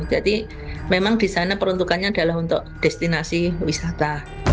jadi memang di sana peruntukannya adalah untuk destinasi wisata